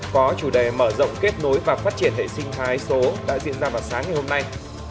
có chủ đề mở rộng kết nối và phát triển hệ sinh thái số đã diễn ra vào sáng ngày hôm nay